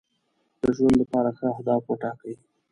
د ژوند لپاره ښه اهداف وټاکئ.